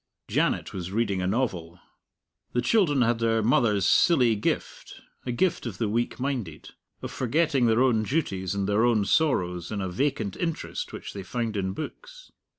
Janet was reading a novel. The children had their mother's silly gift a gift of the weak minded, of forgetting their own duties and their own sorrows in a vacant interest which they found in books.